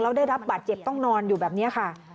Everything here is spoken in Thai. แล้วได้รับบาดเจ็บต้องนอนอยู่แบบนี้ค่ะ